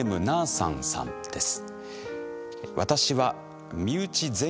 さんさんです。